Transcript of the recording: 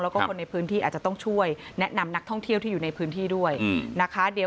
แล้วก็คนในพื้นที่อาจจะต้องช่วยแนะนำนักท่องเที่ยวที่อยู่ในพื้นที่ด้วยนะคะ